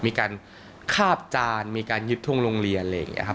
มีการคาบจานมีการยึดทุ่งโรงเรียนอะไรอย่างนี้ครับ